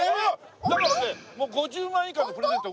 だからね５０万以下のプレゼント